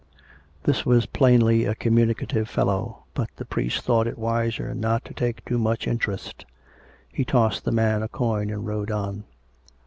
This was plainly a communicative fellow; but the priest thought it wiser not to take too much interest. He tossed the man a coin and rode on.